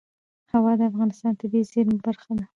هوا د افغانستان د طبیعي زیرمو برخه ده.